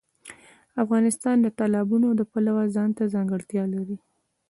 افغانستان د تالابونه د پلوه ځانته ځانګړتیا لري.